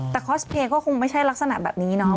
แต่คอสเพลย์ก็คงไม่ใช่ลักษณะแบบนี้เนาะ